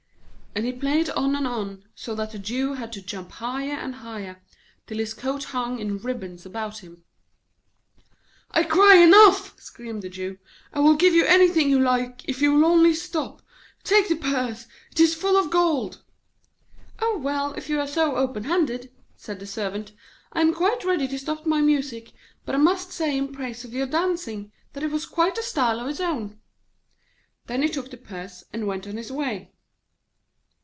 And he played on and on, so that the Jew had to jump higher and higher, till his coat hung in ribbons about him. 'I cry "enough!"' screamed the Jew. 'I will give you anything you like if you will only stop. Take the purse, it is full of gold.' 'Oh, well, if you are so open handed,' said the Servant, 'I am quite ready to stop my music, but I must say in praise of your dancing, that it has quite a style of its own.' Then he took the purse and went on his way.